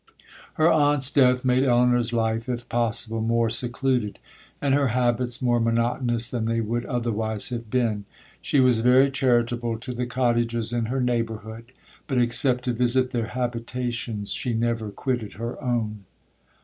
'Her aunt's death made Elinor's life, if possible, more secluded, and her habits more monotonous than they would otherwise have been. She was very charitable to the cottagers in her neighbourhood; but except to visit their habitations, she never quitted her own.